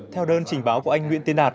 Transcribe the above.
theo đơn trình báo của anh nguyễn tiên đạt